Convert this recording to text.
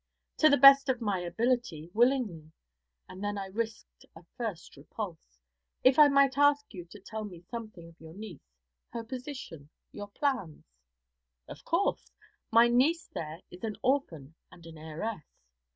'To the best of my ability, willingly.' And then I risked a first repulse. 'If I might ask you to tell me something of your niece her position your plans ' 'Of course. My niece there is an orphan and an heiress.'